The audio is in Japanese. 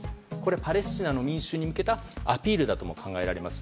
パレスチナの民衆に向けたアピールだとも考えられます。